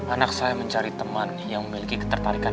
anak saya mencari teman yang memiliki ketertarikan